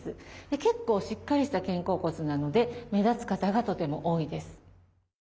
結構しっかりした肩甲骨なので目立つ方がとても多いです。